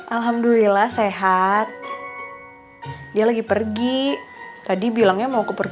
alhamdulillah sehat dia lagi pergi tadi bilangnya mau ke perpu